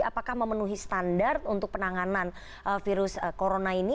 apakah memenuhi standar untuk penanganan virus corona ini